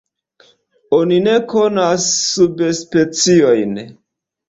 Oni ne konas subspeciojn.